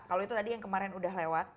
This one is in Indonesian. kalau itu tadi yang kemarin udah lewat